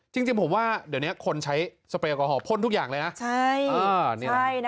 จริงผมว่าเดี๋ยวนี้คนใช้สเปรกอฮอลพ่นทุกอย่างเลยนะ